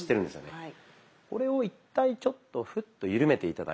これを一旦ちょっとフッとゆるめて頂いて。